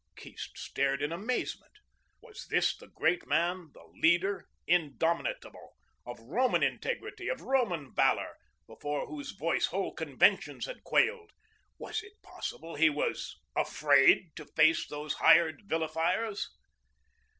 Keast stared in amazement. Was this the Great Man the Leader, indomitable, of Roman integrity, of Roman valour, before whose voice whole conventions had quailed? Was it possible he was AFRAID to face those hired villifiers?